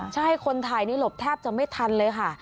ใช่คนถ่ายนี่หลบแทบจะไม่ทันเลยค่ะ